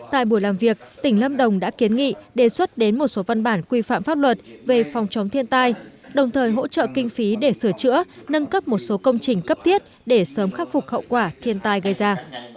tại buổi làm việc tỉnh lâm đồng đã kiến nghị đề xuất đến một số văn bản quy phạm pháp luật về phòng chống thiên tai đồng thời hỗ trợ kinh phí để sửa chữa nâng cấp một số công trình cấp thiết để sớm khắc phục hậu quả thiên tai gây ra